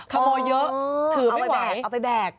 อ๋อเอาไปแบกเอาไปแบก